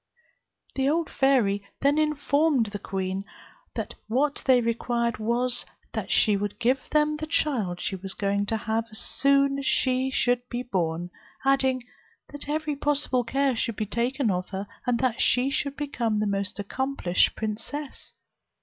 The old fairy then informed the queen that what they required was, that she would give them the child she was going to have, as soon as she should be born; adding, that every possible care should be taken of her, and that she should become the most accomplished princess.